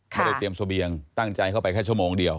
ไม่ได้เตรียมเสบียงตั้งใจเข้าไปแค่ชั่วโมงเดียว